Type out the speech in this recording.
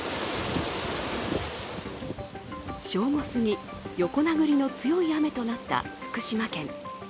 正午すぎ、横殴りの強い雨となった、福島県。